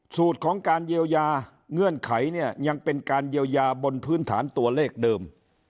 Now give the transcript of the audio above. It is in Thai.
สูตรของการเยียวยาเงื่อนไขเนี่ยยังเป็นการเยียวยาบนพื้นฐานตัวเลขเดิม